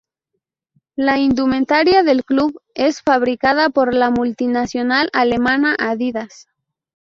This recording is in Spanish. La indumentaria del club es fabricada por la multinacional alemana Adidas.